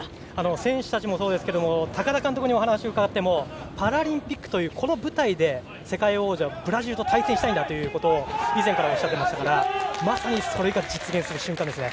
選手たちもそうですが高田監督にお話を伺ってもパラリンピックというこの舞台で、世界王者ブラジルと対戦したいんだということを以前からおっしゃってましたからまさにそれが実現する瞬間ですね。